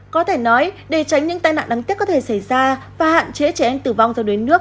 có thể nói để tránh những tai nạn đáng tiếc có thể xảy ra và hạn chế trẻ em tử vong do đuối nước